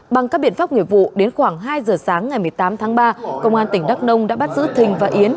bằng các biện pháp nghiệp vụ đến khoảng hai giờ sáng ngày một mươi tám tháng ba công an tỉnh đắk nông đã bắt giữ thình và yến